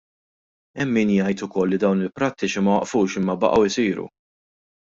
Hemm min jgħid ukoll li dawn il-prattiċi ma waqfux imma baqgħu jsiru.